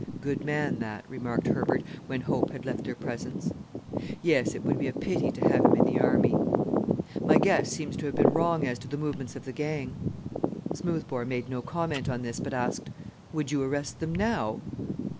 "Good man, that," remarked Herbert, when Hope had left their presence. "Yes, it would be a pity to have him in the Army." "My guess seems to have been wrong as to the movements of the gang." Smoothbore made no comment on this, but asked, "Would you arrest them now?"